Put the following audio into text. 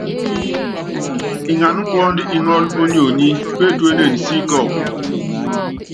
Ngana kuɔ́ndu iŋɔ́lɔ ónyonyí, pétuénen sí kɔkɔ.